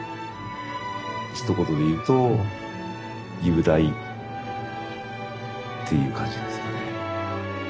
ひと言で言うと雄大っていう感じですかね。